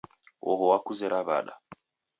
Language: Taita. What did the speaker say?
Oho wakuzera w'ada?